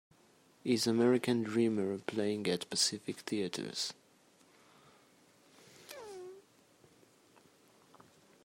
Is American Dreamer playing at Pacific Theatres